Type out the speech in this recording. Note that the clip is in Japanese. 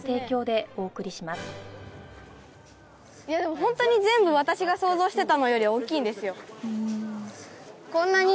ホントに全部私が想像してたのより大きいんですよ。